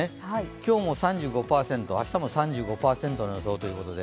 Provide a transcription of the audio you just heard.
今日も３５％、明日も３５％予想ということで